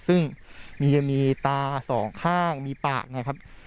ซึ่งมีตาสองข้างมีปากนะครับ